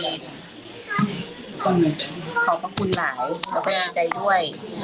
อยากให้สังคมรับรู้ด้วย